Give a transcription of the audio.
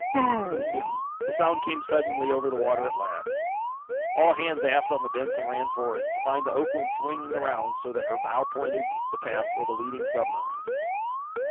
Boom! The sound came suddenly over the water, at last. All hands aft on the "Benson" ran forward, to find the "Oakland" swinging around so that her bow pointed the path for the leading submarine.